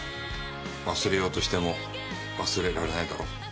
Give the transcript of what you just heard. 忘れようとしても忘れられないだろ。